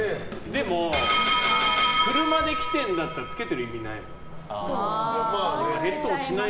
でも、車で来てるんだったらつけてる意味ないよね。